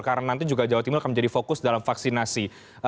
karena nanti juga jawa timur akan menjadi fokus dalam vaksinasi